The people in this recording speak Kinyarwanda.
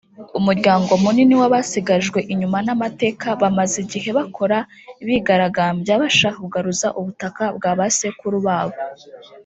umuryango munini w’abasigajwe inyuma n’amateka bamaze igihe bakora bigaragambya bashaka kugaruza ubutaka bw’abasekuru babo